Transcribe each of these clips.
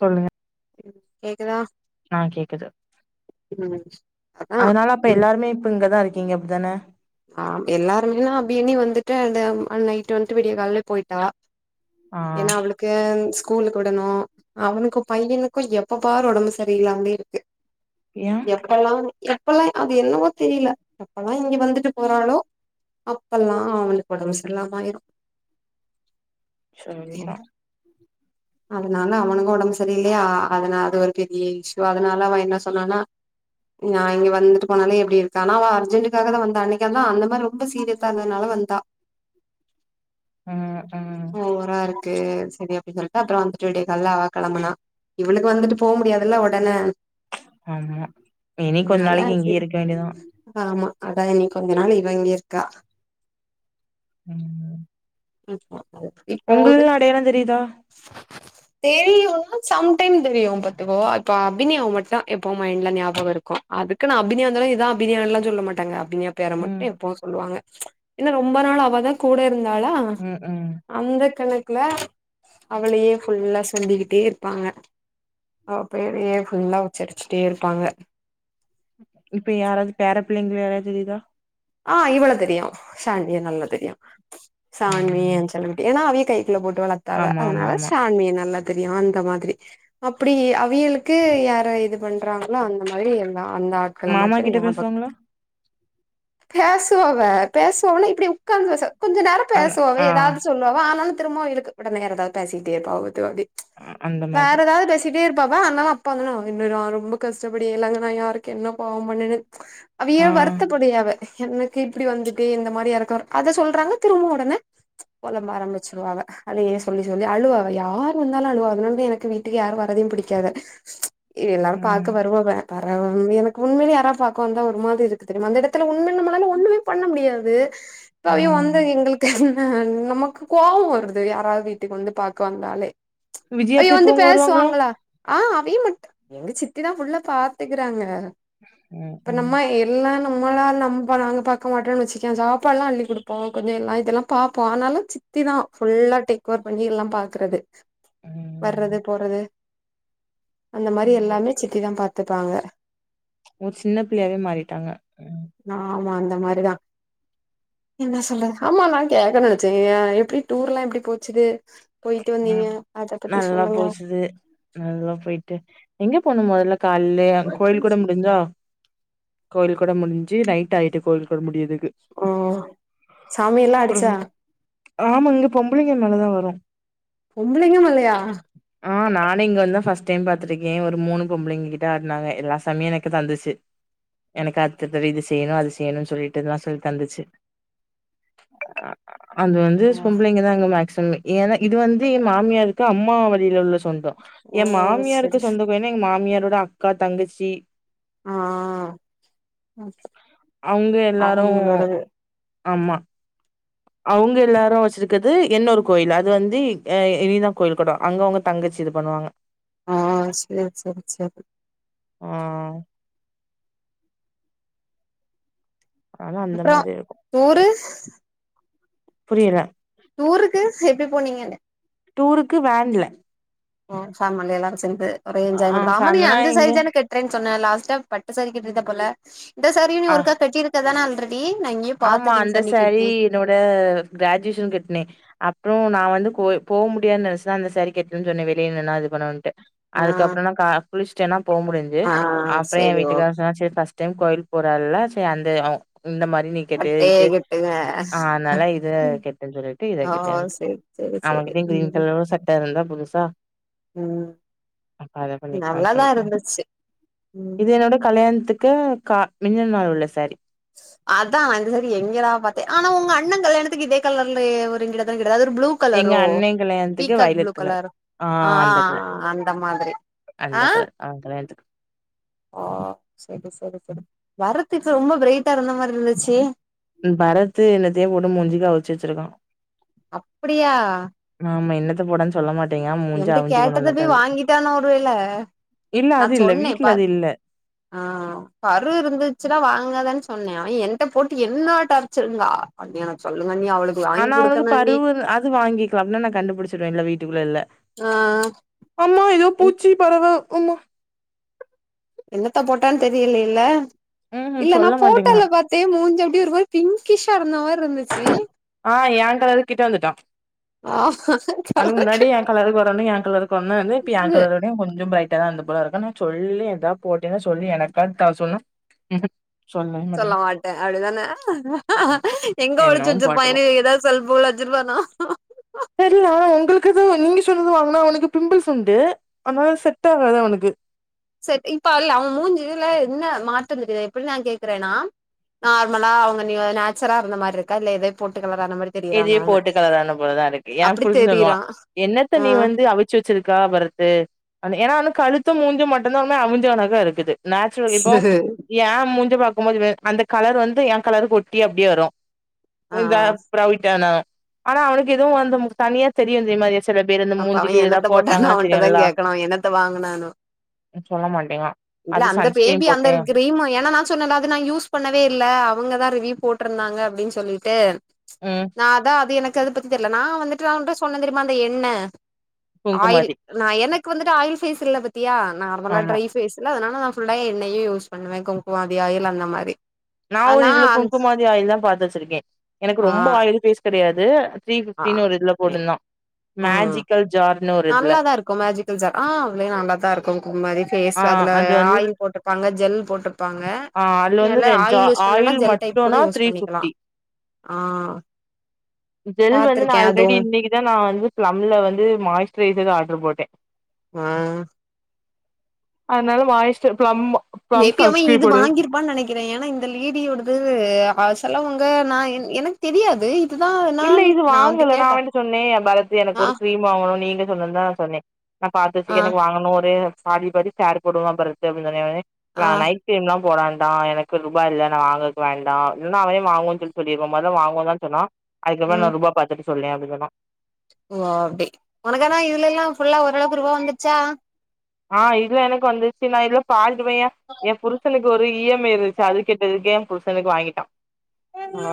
சொல்லுங்க ம் கேக்குதா அ கேக்குது ம் அதா அதனால அப்ப எல்லாருமே இப்ப இங்கதா இருக்கீங்க அப்டித்தானே அ எல்லாருமேன்னா அபியினி வந்துட்டு அந்த நைட் வந்துட்டு விடிய காலய போயிட்டா ஆ ஏன்னா அவளுக்கு ஸ்கூலுக்கு விடணு அவனுக்கு பையனுக்கு எப்ப பாரு ஒடம்பு செரியில்லாமே இருக்கு ஏ எப்பல்லா எப்பல்லா அது என்னவோ தெரில எப்பல்லா இங்க வந்துட்டு போறாளோ அப்பெல்லா அவளுக்கு ஒடம்பு செரியல்லாம ஆயிடு செரி செரி அதனால அவனுக்கு ஒடம்பு செரியில்லயா அதனால அது ஒரு பெரிய இஸ்யூ அதனால அவ என்ன சொன்னானா நா இங்க வந்துட்டு போனாலே எப்டி இருக்கா ஆனா அவள அர்ஜென்ட்டுக்காகாத வந்த அன்னிக்கன்னா அந்த மாரி ரொம்ப சீரியஸா இருதுனால வந்தா ம் ம் போரா இருக்கு செரி அப்டி சொல்ட்டு அப்றோ வந்துட்டு வெடியக்கால்ல கிளம்பினா இவளுக்கு வந்துட்டு போக முடியாதுல்ல ஒடனே ஆமா இனி ம் கொஞ்ச அதா நாளைக்கு இங்கயே சரி இருக்க வேண்டியதுதா ஆமா அதா இனி கொஞ்ச நாள் இவ இங்க இருக்கா ம் அப்டியே போகுது உங்களுக்குலா அடையாள தெரியுதா தெரியு சம்டைம் தெரியு பாத்துகோ இப்ப அபிநயாவா மட்டு எப்போ மைண்ட்ல ஞாபகோ இருக்கு அதுக்குன அபிநயா வந்தொன்னே இதுதா அபிநயான எல்லா சொல்ல மாட்டாங்க அபிநயா பேர ம் மட்டு எப்பவு சொல்லுவாங்க ஏன்ன ரொம்ப நாள் அவதா கூட இருந்தாளா ம் ம் அந்த கணக்குல அவளையே ஃபுல்லா சொல்லிக்கிட்டே இருப்பாங்க அவ பேரேயே ஃபுல்லா உச்சரிச்சிட்டே இருப்பாங்க இப்ப யாராவது பேர பிள்ளைங்க யாராவ்து தெரியுதா அ இவ்வள தெரியு சாண்டிய நல்ல தெரியு சான்மி ம் ஏ செல்லிக்குட்டி ஏன்னா அவ ஏ கை கைக்குல்ல போட்டு வளத்தாக ஆமா ஆமா அதனால ஆமா சான்மிய நல்லா தெரியு அந்த மாதிரி அப்டி அவியளுக்கு யார இது பண்றாங்ளோ அந்த மாரி எல்லா அந்த ஆட்கள மாமா மட்டு கிட்ட ஞாபகோ பேசுவாங்களா இருக்கு பேசுவா அவ பேசுவான்னா இப்டி உட்காந்து கொஞ்ச நேரோ அந் பேசுவா அவ ஆ எதாவது சொல்லி ஆனாலு திரும்ப இழுத்து வேற எதாவது பேசிக்கிட்டே இருப்பாங்க அந்த வேற மாதிரி எதாவது பேசி சிட்டே இருப்பாவா அதனாலு அப்பாங்க நா என்னடா ரொம்ப கஷ்டப்படி எல்லாங்க நா யாருக்கு என்ன பாவோ பண்ணேனே அவிய ஆ வருத்தப்படியாவ எனக்கு இப்டி வந்துட்டு இந்த மாரி யார்க்கு அத சொல்றாங்க திரும்பி ஒடனே பொலம்ப ஆரம்பிச்சுடுவாங்க அதையே சொல்லி சொல்லி அழுவாவ யார் வந்தாலு அழுவாவ அதனா தா எனக்கு வீ ட்டு யாரு வரதையு பிடிக்காது [inaudible] எல்லாரு ம் பாக்க வருவாவ வரவ எனக்கு உண்மையல யார பாக்க வந்தா ஒரு மாரி இருக்கு தெரியுமா அந்த எடத்தில உண்மையா நம்மளால ஒண்ணுமே பண்ண முடியாது இப்ப ஐயோ ம் வந்தது எங்களுக்கு அ நமக்கு கோவோ வருது யாராவது வீட்டுக்கு வந்து பாக்க வந்தாலே ஐயோ விஜயாத்த வந்து இப்ப இங்க வருவாங்களா பேசுவாங்களா அ அவிய மட்டு எங்க சித்திதா ஃபுல்லா பாத்துக்கறாங்க ம் இப்ப ம் நம்ம எல்லா நம் நம்மபாளா நம்ம நாங்க பாக்க மாட்டோ வெச்சுக்கோ சாப்பாடுல்லா அள்ளி குடுப்போ கொஞ்சோ எல்லா இதெல்லா பாப்போ ஆனாலு சித்தி த்தி தா ஃபுல்லா டேக்ஓர் பண்ணி எல்லா பாக்குறது ம் வர்றது போறது அந்த மாரி ம் எல்லாமே சித்திதா பாத்துப்பாங்க ஒரு சின்ன பிள்ளையாவே மாறிட்டாங்க ஆமா அந்த மாரிதா என்ன சொல்றது ஆமா நா கேக்க நெனச்சே ஏ எப்டி டூர் எல்லா எப்டி போச்சுது போயிட்டு வந்தீங்க ம். அத பத்தி சொல்லுங்க அதுல்லா போயிட்டு எங்க போணும் முதல்ல கால்லயே கோயில் கூட முடிஞ்சா கோயில் கொட முடிஞ்சு நைட் ஆயிட்டு கோயில் கொட முடியுது க்கு ஓ சாமி எல்லா அடிச்சா ஆமா இங்க பொம்பளைங்க மேலதா வரு பொம்பளைங்க மேலையா ஆ நானே இங்க வந்து தா ஃபஸ்ட் டைம் பாத்துருக்கே ஒரு மூணு பொம்பளிங்க கிட்ட ஆடுனாங்க எல்லா சாமி எனக்கு தந்துச்சு எனக்கு அடுத்து இது வே செய்யணு அது செய்யணும்னு சொல்லிட்டுல்லா சொல்லி தந்துச்சு அ அது வந்து சொம்பளைங்கதா அங்க மேக்சிமம் ஏனா இது வந்து என் மாமியாருக்கு அம்மா வழியில உள்ள சொந்தோ ஓ என் மாமியாருக்கு செரி சொந்தம் ப்ப என்ன எங் மாமியாரோட அக்கா தங்கச்சி ஆ அவங்க எல்லாரு அவங்களோடது ஆம்மா அவுங்க எல்லாரு வச்சிருக்கது என்னொரு கோயில் அது வந்து இனிதா கோயில் கொடம் அங்க ஒங்க தங்கச்சி இது பண்ணுவாங்க ஆ சேரி சேரி சேரி ஆ ஆனா அந்த அப்றோ மாதிரி இருக்கு டூருஸ் புரியல டூருக்கு எப்டி போனீங்கனே டூருக்கு வேன்ல ம் சாம் மன்டே எல்லாரு சேந்து ஒரே ஆ என்ஜாய்மென்ட் தா ஆமா நீ ஃபேமிலினா அந்த எங்க சைடுதானே கேட் ற்றேனு சொன்ன லாஸ்ட்டா பட்டு சேரி கட்றிந்த போல இந்த சேரியு நீ ஆ ஒருக்கா கட்டி இருக்க தா ஆல்ரெ டி நா எங்கேயோ பாத்துருக்கே இந்த சேரி நீ கெட்டி எனனோட கிராஜுவேஷன்கு கெட்னே அப்புறோ நா வந்து போ போ முடியாதுனு நினச்சு தா அந்த சேரி கேட்டுனே சொன்னே வெளியிலன்னா இது பண்ணனுட்டு அதுக்கப்புற ஆ நா குளிச்சிட்டேனா போ முடுஞ்ச ஆ அப்புற என் சேரி ஓ வீட்டுக்கார சொன்னா சேரி ஃபஸ்ட்டைம் கோயில் போறால்ல சே அந்த இந்த மாரி நீ கெட்டு பட்டே இது கட்டுங்க ஆ அதனால இத கெட்டேன்னு சொல்லிட்டு இத ஓ கெட்ட சேரி சேரி சேரி அவன்கிட்ட கிரீன் ம் கலரு சட்ட இருந்தா புதுசா ம் அப்ப அத பண்ணிக்கலான்னு நல்லா தா சொல்ட்டே இருந்துச்சு ம் இது என்னோட கல்யாணத்துக்கு கா மிந்துன நாள் உள்ள சாரி அதா இந்த சேரி எங்கடா பாத்தே ஆனா உங்க அண்ண கல்யாணத்துக்கு இதே கலர்லயே ஒருங்கிட்ட தான கிடையா அது ஒரு ப்ளூ ளூ எங்க கலரோ அண்ணே கல்யாணத்துக்கு பீக்காக் ப்ளூ வயலட் கலர் கலரோ ஆ ஆ அந்த கலர் ஆ அந்த மாதிரி ஆ அந்த கல அ கல்யாணத்துக்கு ஓ சேரி சேரி சேரி வரத்துக்கு ரொம்ப பிரைட்டா இருந்த மாரி இருந்துச்சு பரத்து என்னத்தையோ போட்டு மூஞ்சிக்கு அவுச்சு வச்சிருக்கா அப்டியா ஆமா என்னத்த போடன்னு சொல்ல மாட்டேங்கிறா மூஞ்சு என்ட்ட அவிஞ்சு கேட்டத போணுல போய் வாங்கிட்டானா ஒரு வேல [unintelligible] இல்ல நா அது இல்ல சொன்னே வீட்ல பா அது இல்ல ஆ பரு இருந்துச்சுன்னா வாங்காதன்னு சொன்னே அவ என்ட்ட போட்டு என்ன டார்ச்சருங்கா அண்ணி எனக்கு சொல்லுங்க நீ அவளுக் ஆனா உனக்கு பருவு அது வாங்கிக்கலாம்ல நா கண்டுபிடிச்சிருவேல வீட்டுக்குள்ள இல்ல ஆ ஆ அம்மா ஏதோ பூச்சி பறவ அம்மா என்னத்த போட்டான்னு தெரியலேல்ல ம்ஹூம் இல்ல நா சொல்ல மாட்டேங்கா போட்டல பா சே மூஞ்சி அப்டியே ஒரு மாரி பிங்கிஷ் அந்த மாரி இருந்துச்சு ஆ எ கலர் கிட்ட வந்துட்டா ஆ அதுக்கு முன்னாடி எ கலருக்கு வரணு எ கலருக்கு வந் வந்து இப்ப என் கலரோடயு கொஞ்சோ ப்ரைட் தா அந்த போல இருக்கநா சொல்லி ஏதாவது போட்டேன்னா சொல்லி எனக்காக தா சொல்லு ம்ஹீம் சொல்ல மாட்டே அப்டிதானே எங்க ஒழிச்சு என்னவோ வச்சிருப்பாங் போட்டுவோ எதாது சொல்ப அச்சிர்வானா தெரியல ஆனா உங்களுக்குதா நீங்க சொன்னது வாங்குனா அவனுக்கு பிம்பிள்ஸ் உண்டு அனால செட் ஆகாது அவனுக்கு சரி இப்ப இல்ல அவன் மூஞ்சில என்ன மாற்ற தெரியுது எப்டிநா கேக்குறேன்னா நார்மலா அவங்க நீ நாச்சரா இருந்த மாரி இருக்கா இல்ல இதே போட்டு கலரா ஆன மாரி எதையோ தெரியுறானானு போட்டு கலரான போலதா இருக்கு எ அப்டி புருஷ சொல்லுவா தெரியுறா என்னத்த ஆ நீ வந்து அ வச்சு வச்சிருக்கா பரத்து ஏன்னான்னு கழுத்து மூஞ்சு மட்டுந்தா மே அவிஞ்ச மா தா இருக்கு நேச்சுரல் இப்போ ஏ மூஞ்சிய பாக்கும்போது அந்த கலர் வந்து எ கலரு ஒட்டி அப்டியே வரு ஆ தடவிட்டானா ஆனா அவனுக்கு எதுவு வந்து தனியா தெரியு இதே மாரி அப்ப அவ என்னத்த போட்டானோ அவன்ட்டதா தெரியுல்ல கேட்கணு என்னத்த வாங்கனானு சொல்ல மாட்டேங்கா இல்ல அது அந்த சன்ஸ்கிரீன் பேபி அந்த போட்டே இது கிரீம் ஏன்னன்னா சொன்ன அது நா யூஸ் பண்ணவே இல்ல அவங்கதா ரிவ்யூ போட்ருந்தாங்க அப்படின்னு சொல்லிட்டு ம் நா தா அது எனக் அது பத்தி தெர்லெ நா வந்துட்டு நா உன்ட சொன்னந் தெரியுமா அந்த எண்ணெ ஆயில் குங்குமாதி நா எனக்கு வந்துட்டு ஆயில் ஃபேஸ் இல்ல பாத்தியா நார்மலா ஆமா ட்ரை ஃபேஸ்ல அதுனால நா ஃபுல்லா எண்ணெயே யூஸ் பண்ணுவே குங்குமாதி ஆயில் அந்த மாரி நா ஒரு ஆனா இதுல குங்குமாதி ஆயில் தா பாத்து வச்சிருக்கே எனக்கு ஆ ரொம்போ ஆயில் ஃபேஸ் கெடையாது த்ரீ ஆ ஃபிப்டின்னு ஒரு இதுல போட்டுந்தா ம் மேஜிக்கல் ஜான் நல்லாதா இருக்கு மேஜிக்கல் ஜார் ஆ அவ்ளயே நல்லாதா இருக்கு குமரி பேஸ் ஆ அதுல அது வந்து ஆயில் போட்டு பாங்க ஜெல் போட்ருப்பாங்க ஆ அதுல வந்து எல்லா ஜா யூஸ் பண்ணலனா ஆயில் ஜெல் டைப் கூட மட்டுனா யூஸ் த்ரீ பண்ணிக்கலா பிஃப்டி ஆ ஜெல் வந்து நா பாத்திருக்கே ஆல்ரெடி அதுவு இன்னைக்குதா நா வந்து ப்ளம்ல வந்து மாய்ஸ்ரைசர் ஆர்டர் போட்டே ஆ அதுனால மாய்ஸ்டர் ப்ளம் மேபி அவ இது வாங்கி இருப்பான்னு நெனைக்கிறே ஏன்னா இந்த லேடியோடது செலவங்க நா எனக்கு தெரியாது இதுதா இல்ல நான் இது வாங்கல்ல நா கேட்டே அவன்ட்ட சொன்னே ஏ பரத்து எனக்கு ஆ ஒரு கிரீம் வாங்குணு நீங்க சொன்ன தா சொன்னே நா பாத்த சீ ஆ எனக் வாங்கனு ஒரே பாதி பாதி சாரி போடுவா பரத்து அப்டின்னு சொன்னே அவே ஆ நா நைட் கிரீம்லா போடவேண்டா எனக்கு ருபா இல்ல நா வாங்கர்க்கு வேண்டா இல்னா அவ ஏ வாங்குவோ சொல் சொல்லிற்வோ மொத வாங்குவோ தா சொன்னா அதுக்கப்பற நா ம் ருபா பாத்துட்டு சொல்லே அப்டின் சொன்னா ஓ அப்டி ஒனக்கான்னா இதுலெல்லா ஃபுல்லா ஓரளவுக்கு ருவா வந்திச்சா ஆ இதுல எனக்கு வந்திர்ச்சி நா இதுல பான்ஞ்சி பையா எ புருஷனுக்கு ஒரு இ எம் ஐ இருந்திச்சி அது கெட்டதுக்கே எ புருஷனுக்கு வாங்கிட்டா ஆ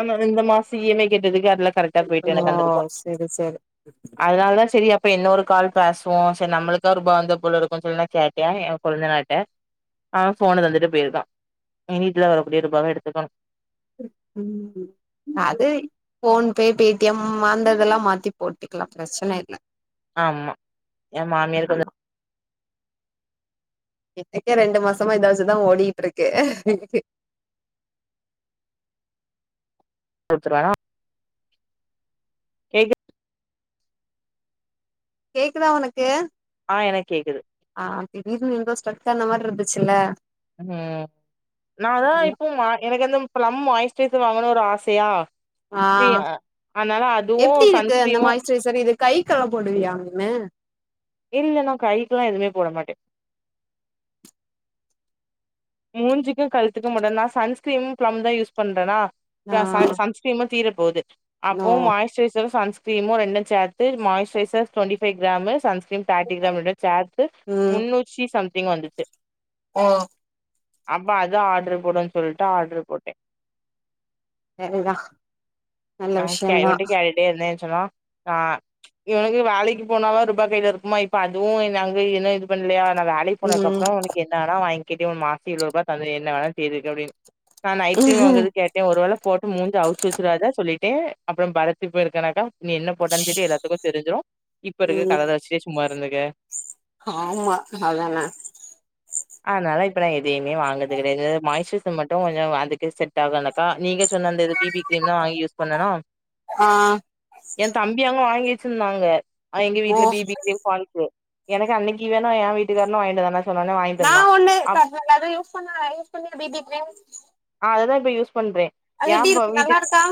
ஆனா இந்த மாச இ எம் ஐ கேட்டதுக்கு அதுல்ல கரெக்டா போய்ட்டு ஓ எனக்கு அந்தருபா செரி செரி அதுனால தா செரி அப்ப இன்னோரு கால் பேஸ்வோ செர் நம்மள்க் இந்த ரூபா வந்த போலருக்குன் சொல் நா கேட்டே எ கொழ்ந்தநார்ட்ட ஆ ஃபோன தந்துட்டு பேய்ருக்கா வர்ர ரூபாவ எடுத்துக்கோணு ம் அது ஃபோன்பே பே டி எம் அந்ததுல்லா மாத்தி போட்டுக்கலா பிரச்சன இல்ல ஆம்மா எ மாமியாருக்கு வந் ஆமா எனக்கே ரெண்டு மாசமா இத வச்சிதா ஓடிகிட்ருக்கு குடுத்துருவேனா கேக்கு கேக்குதா ஒனக்கு ஆ எனக் கேக்குது ஆ திடீர்னு எங்கோ ஸ்டக்கான மார்ருந்திச்சில்ல உம் நா அதா இப்போ மா எனக்கு அந்து ப்லம் மாய்ஸ்டைசர் வாங்குணு ஒரு ஆசையா ஆ ஃப்ரீ அதனால அதுவு சன்ஸ்கீரிமு செர் செரி இது கைக்கெல்லா போடுவியா நினு இல்ல நா கைக்குல்லா எதுமே போட மாட்டே மூஞ்சிக்கு கழுத்துக்கு மட்டுதா சன்ஸ்கிரீமு பிலம்தா யூஸ் பண்றேனா ஆ ரா ச சன்ஸ்கிரிமு தீர போது அப்போ ஓ மாய்ஸ்டைசர் சன்ஸ் கிரீமோ ரெண்டுஞ் சேத்து moisturiser twenty five gram sunscreen தேட்டிக் க்ராம் ரெண்டு சேத்து ம் முன்னூற்றி சம்திங் வந்துச்சு ஓ அப்ப அது ஆட்ரு போடுவோன் சொல்ட்டு ஆட்ரு போட்டே செரிதா [unintelligible] இவன்ட கேட்டுடே இருந்தே இவெ சொன்னா அ இவனுக்கு வேலக்கு போனாலு ருபா கைல இருக்குமா இப்ப அதுவு நங்க இன்னு இது பண்லயா நா வேல க்கிப் ம் போனக்கப்றோ ஒனக் என்னா வேனா வாங்கடி ஒன்க் மாச இருபரூபா தரே என்ன வேணா செய்துக்க அப்டின் நான் நைட் க்ரீம் ம் வாங்குறது கேட்டே ஒரு வேள போட்டு மூஞ்ச ஆவுச்சி வச்சிடாத சொல்லிட் டே அப்ற பரத் இப்ப இருக்கனாக்கா நீ என்ன போட்டாலு செரி எல்லாத்துக்கு தெரிஞ்சிரு இப்ப இருக்க கலர ம் வச்சி சும்மா இருந்தக்க ஆமா அதானே அதனால இப்ப நா எதையுமே வாங்குறது கெடையாது மாய்ஸ்சுரைசர் மட்டு கொஞ்ச வாங்கிட்டு செட் அகலனாக்கா நீங்க சொன்ன அந்த இது பி பி க்ரீம்தா வாங்கி யூஸ் பண்ணனா ஆ எ தம்பி அங்க வாங்கி வச்சிருந்தாங்க அ எங்க ஓ வீட்ல பி பி கிரீம் ஃபான்ஸு எனக்கு அன்னக்கி வேணு ஏ வீட்டுக்காரனு வாங்கிட்டு வந்தானா சொன்னோனே வாங்கிட்டு நா வந்தா ஒன்னு அப் தர அது யூஸ் பண்ணல யூஸ் பண்ணிய பி பி க்ரிம் ஆ அததா இப்ப யூஸ் பண்றே அது எப்டி இருக்கு வீட் நல்லாருக்கா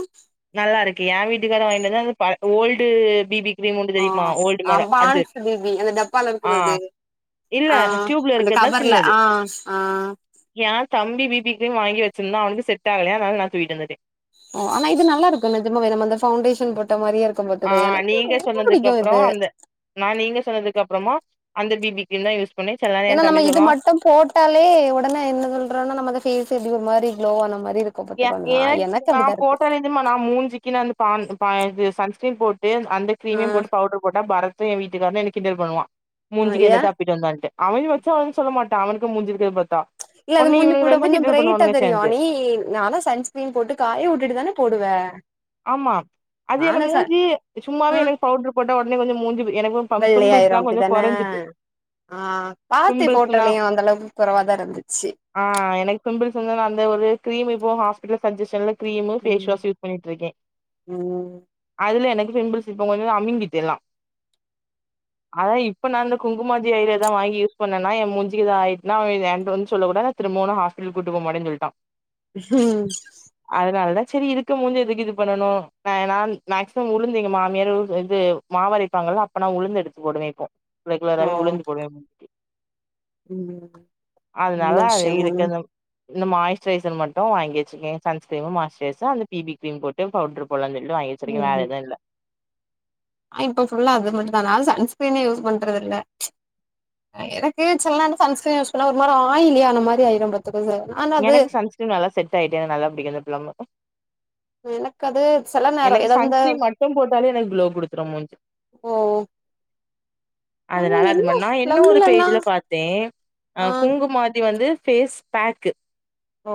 நல்லாருக்கு ஏ வீட்டுக்காரு வாங்கிட்டு வந்தது அந்த ப ஓல்டு பி பி அ ஆ பான்ஸு பி பி அந்த டப்பால ஆ இருக்றது இல்ல ஆ டியூப்ல அந்த கவர்ல ஆ ஆ ஏ தம்பி பி பி க்ரீம் வாங்கி வச்சிருந்தா அவனுக்கு செட்டாகுலயா அதனால நா தூக்ட்டு வந்துடே ஓ ஆனா இது நல்லாருக்கு நெஜமாவே நம்ம அந்த ஃபௌண்டேஷன் போட்ட மாரியே இருக் ஆ நீங்க சொன்னதுக்கு அப்றோ அந்த நா நீங்க சொன்னதுக்கு அப்புறமு அந்த பி பி க்ரீம்தா யூஸ் பண்ணே சில நேரோ ஏன்னா என் நம்ம தம்பி இது சொல்லுவா மட்டு போட்டாலே ஒடனே என்ன சொல்றோன்னா நம்ம அந்த ஃபேஸ் எப்டி ஒரு மாரி க்ளோவான மாரி இருக்கு ய பாத்துக்கோ நா என எனக்கு நா அப்டிதா இருக்கு போட்டாலருந்து மா நா மூஞ்சிக்குனு அந்த பா பா அது சன்ஸ்கிரீன் போட்டு அந்த க்ரீமு போட்டு பவுடர் போட்டா பரத் து எ வீட்டுக்காரனு என்ன கிண்டல் பண்ணுவா ஆ மூஞ்சிக்கு ஏ என்னத்த அப்பிட்டு வந்தன்ட்டு அவெங்க வச்சா ஒன்னு சொல்ல மாட்டா அவனுக்கு முஞ்சிருக்கத பாத்தா இல்ல அது ஒன்னு மூஞ்சூ இவனுங்க கூட ரெண்டு கொஞ்ச கிண்டல் ப்ரைட்டா பண்ணுவானுங்க தெரியும் சேந்து நீ நானா ச ன்ஸ்க்ரின் போட்டு காய விட்டுட்டுதானே போடுவ ஆமா அது என்ன நானு ச மூஞ்சி சும்மாவே எனக்கு பவ்ட்டு போட்டா ஒட்னே கொஞ்ச மூஞ்சு எனக்கு பம் வெள்ளை ஆயிரு பிம்பிள்ஸ்லா கொஞ்சோ அப்டிதானே கொறஞ்சிட்டு ஆ பாத்தே பிம்பிள்ஸ்னா ஃபோட்டலயு அந்த அளவுக்கு கொறவாதா இருந்துச்சு ஆ எனக்கு பிம்பிள்ஸ் வந்து நா அந்த ஒரு க்ரீம் இப்போ ஹாஸ்பிடல் சஜ்ஜஷன்ல க்ரீமு ஃபேஸ் ம் வாஷ் யூஸ் பண்ணிட்டு இருக்கே ம் அதுல எனக்கு பிம்பிள்ஸ் இப்ப கொஞ்சோ அமிங்கிட்டு எல்லா அதா இப்ப நா இந்த குங்குமாதி ஏரியல் தா வாங்கி யூஸ் பண்ணேனா எ மூஞ்சு இது ஆயிட்னா இல்லயான்டுன் சொல்ல கூட திரும்பவு நா ஹாஸ்பிடல் கூட்டு போ மாட்டேன்னு சொல்லிட்டா ஹம் அதனாலதா செரி இருக்கும் போது எதுக்கு இது பண்ணனு நா நான் மேக்சிமம் உளுந்து எங்க மாமியாரு இது மாவரைப்பாங்களே அப்ப நா உளுந்து எடுத்து போடுவே இப்போ ஓ ரெகுலராவே உழுந்து போடுவே இப்டி ம் அது நல்ல நல்லா அது விஷயம் தான இருக்குது இந்த மாய்ஸ்டூரெய்சர் மட்டு வாங்கி வெச்சிருக்க சன்ஸ்கிரீனு மாய்ஸ்டூரெய்சர் அந்த பிபி கிரீம் போட்டு பவுடர் கொழந்தைக்கூட ஐஸ்ரிக்கு வேற ம் எதுவு இல்ல இப்ப ஃபுல்லா அது மட்டுதா நா சன்ஸ்கிரீனே யூஸ் பண்றதுல்ல எனக்கு சும்மா அந்த சன்ஸ்கிரீன் யூஸ் பண்ணா ஒரு மாரி ஆயிலி அந்த மாரி ஆயிடு பாத் துக்கோங்க நா எனக்கு சன்ஸ்கிரீன் நல்லா செட் ஆயிட்டு நல்லா பிடிக்கு இந்த பிளம்மு எனக்கு அது சில நேரொ எனக்கு எதா வந்து சன்ஸ்கிரீம் மட்டு போட்டாலே எனக்கு க்ளோ குடுத்துரு ஓ நம்ம அதுனால அது என்ன மன் நா இன்னு ஒரு பிளம்லனா பேஜ்ல பாத்தே அ ஆ குங்கு மாதி வந்து ஃபேஸ் பேக்கு ஓ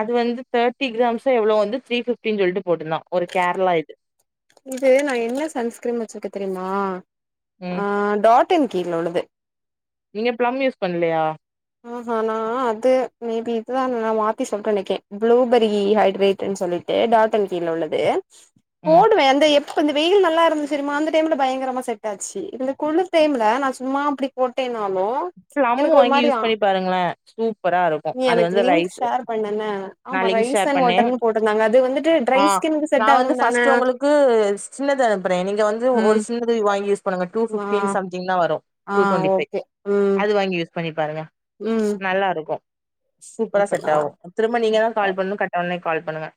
அது வந்து தேர்டி கிராம்ஸோ எவ்ளோ வந்து த்ரீ ஃபிஃப்டின் சொல்ட்டு போட்ருந்தா ஒரு கேரளா இது இது நா என்ன சன்ஸ்கிரீனீ வெச்சிருக்க தெரியுமா ஆ ம் டாட் அன் கீல உள்ளது நீங்க ப்ளம் யூஸ் பண்லையா ஆஹ நா அது மேபி இதுதா நா மாத்தி சொல்டே நனக்கே ப்ளூபெரி ஹைட்ரேட்டுன் சொல்லி ட்டு டாட் அன் கீல உள்ளது ம் போடுவே அந்த எப் ம் இந்த வெயில் நல்லா இருந்துசு தெரியுமா அந்த டைம்ல பயங்கரமா செட் ஆச்சு இந்த குளிர் டைம்ல நா சும்மா அப்டி போட்டேனாலு பிளம் எனக்கு ஒரு வாங்கி மாரி யூஸ் ஆ பண்ணி பாருங்களே சூப்பரா இருக்கு நீ அது எனக்கு வந்து லிங்க் ரைஸ் ஷேர் பண்ணன்ன நா ஆமா லிங்க் ரைஸ் ஷேர் அண்ட் பண்ணே வாட்டர்ன்னு போட்டிருந்தாங்க அது வந்துட்டு ஆ ட்ரை ஸ்கின்னுக்கு நா செட் வந்து ஆகு ஃபஸ்ட் தான ஒங்களுக்கு சின்னது அனுப்புறே நீங்க வந்து ஒரு ம் ச் சின்னது வாங்கி யூஸ் பண்ணுங்க டூ ஆ ஃபிஃப்டி சம்திங் தா வரு ஆ டூ டுவெண்டி ஃபைவ் ஓகே ம் அது வாங்கி யூஸ் பண்ணி பாருங்க ம் நல்லா இருக்கு சூப்பரா அப்ப செட் ஆகு நா திரும்ப நீங்க தா கால் பண்ணு கட் ஆனே கால் பண்ணுங்க